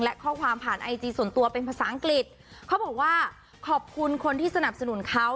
และข้อความผ่านไอจีส่วนตัวเป็นภาษาอังกฤษเขาบอกว่าขอบคุณคนที่สนับสนุนเขา